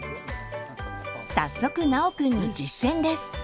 早速尚くんに実践です。